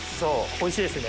おいしいですね。